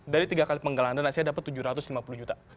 dari tiga kali penggalan dan saya dapat tujuh ratus lima puluh juta